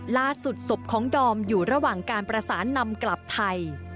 ล่าสุดศพของดอมอยู่ระหว่างการประสานนำกลับไทย